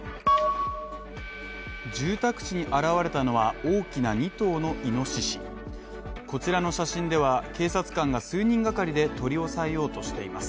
住宅地に現れたのは、大きな２頭のイノシシ、こちらの写真では、警察官が数人がかりで取り押さえようとしています。